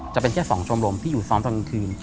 จะเป็นแค่๒ชมรมที่อยู่ซ้อมตอนกลางคืน